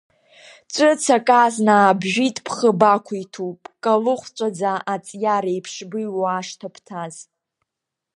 Ҵәыцак азна аабжәит бхы бақәиҭуп, бкалыхәҵәаӡа аҵиар еиԥш быҩуа ашҭа бҭаз.